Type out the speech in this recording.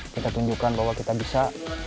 kita tunjukkan bahwa kita bisa